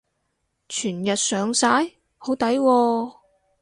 全日上晒？好抵喎